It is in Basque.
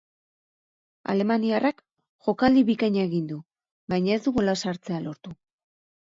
Alemaniarrak jokaldi bikaina egin du, baina ez du gola sartzea lortu.